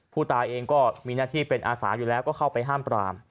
ผู้ตายเองก็มีหน้าที่เป็นอาสาอยู่แล้วก็เข้าไปห้ามปราม